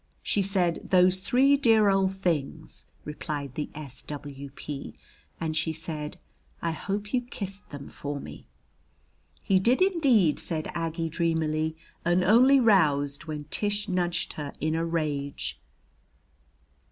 "She said: 'Those three dear old things!'" replied the S. W.P. "And she said: 'I hope you kissed them for me.'" "He did indeed," said Aggie dreamily, and only roused when Tish nudged her in a rage.